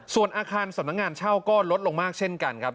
ส่วนอาคารสำนักงานเช่าก็ลดลงมากเช่นกันครับ